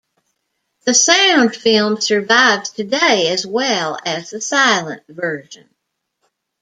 The sound film survives today as well as the silent version.